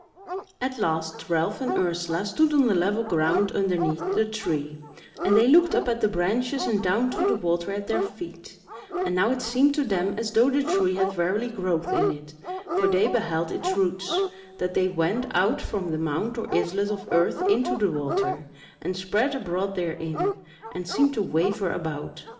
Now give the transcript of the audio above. At last Ralph and Ursula stood on the level ground underneath the Tree, and they looked up at the branches, and down to the water at their feet; and now it seemed to them as though the Tree had verily growth in it, for they beheld its roots, that they went out from the mound or islet of earth into the water, and spread abroad therein, and seemed to waver about.